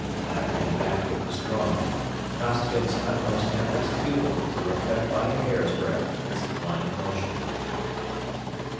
Back and back it was drawn; Costigan's utmost efforts futile to affect by a hair's breadth its line of motion.